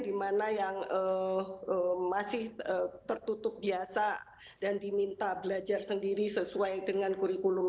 di mana yang masih tertutup biasa dan diminta belajar sendiri sesuai dengan kurikulum